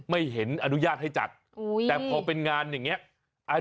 ไม่เห็นอนุญาตให้จัดแต่พอเป็นงานอย่างนี้